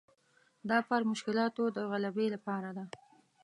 دا پر مشکلاتو د غلبې لپاره ده.